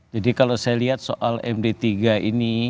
jadi kalau saya lihat soal md tiga ini